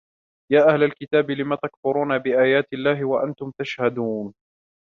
يَا أَهْلَ الْكِتَابِ لِمَ تَكْفُرُونَ بِآيَاتِ اللَّهِ وَأَنْتُمْ تَشْهَدُونَ